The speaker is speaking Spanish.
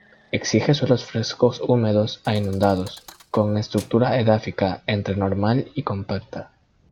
Exige suelos fresco-húmedos a inundados, con estructura edáfica entre normal y compacta.